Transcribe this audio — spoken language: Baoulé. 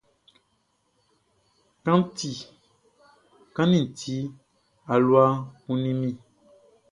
Kanʼni ti, alua kunnin mi.